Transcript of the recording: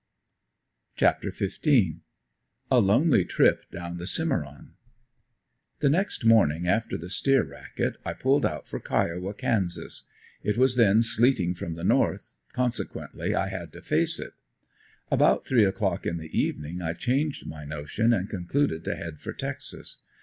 CHAPTER XV. A LONELY TRIP DOWN THE CIMERON. The next morning after the steer racket I pulled out for Kiowa, Kansas. It was then sleeting from the north, consequently I had to face it. About three o'clock in the evening I changed my notion and concluded to head for Texas.